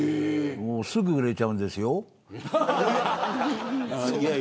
すぐ売れちゃうんですよ。